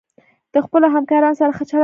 د خپلو همکارانو سره ښه چلند کوئ.